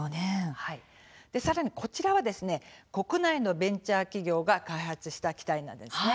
さらに、こちらは国内のベンチャー企業が開発した機体なんです。